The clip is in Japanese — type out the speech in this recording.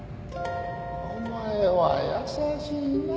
お前は優しいな。